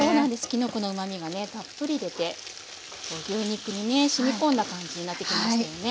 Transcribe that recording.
きのこのうまみがねたっぷり出て牛肉にねしみ込んだ感じになってきましたよね。